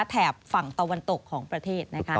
แถบฝั่งตะวันตกของประเทศนะคะ